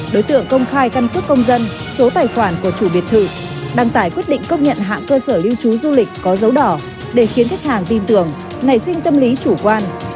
đối tượng công khai căn cước công dân số tài khoản của chủ biệt thự đăng tải quyết định công nhận hạng cơ sở lưu trú du lịch có dấu đỏ để khiến khách hàng tin tưởng nảy sinh tâm lý chủ quan